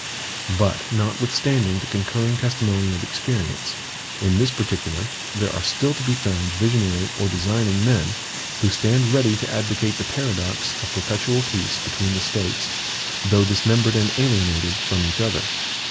But notwithstanding the concurring testimony of experience, in this particular, there are still to be found visionary or designing men, who stand ready to advocate the paradox of perpetual peace between the States, though dismembered and alienated from each other.